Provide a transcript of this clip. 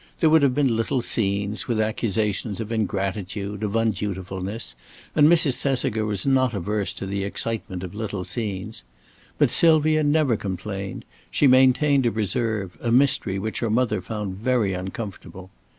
There would have been little scenes, with accusations of ingratitude, of undutifulness, and Mrs. Thesiger was not averse to the excitement of little scenes. But Sylvia never complained; she maintained a reserve, a mystery which her mother found very uncomfortable.